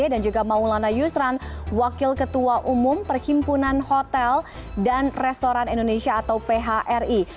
dan juga maulana yusran wakil ketua umum perhimpunan hotel dan restoran indonesia atau phri